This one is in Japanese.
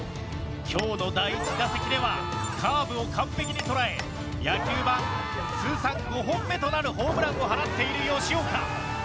今日の第１打席ではカーブを完璧に捉え野球ＢＡＮ通算５本目となるホームランを放っている吉岡。